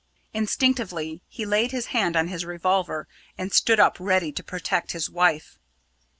Instinctively he laid his hand on his revolver, and stood up ready to protect his wife.